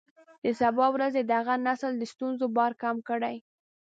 د سبا ورځې د هغه نسل د ستونزو بار کم کړئ.